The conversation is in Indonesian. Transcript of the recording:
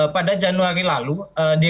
pada januari lalu di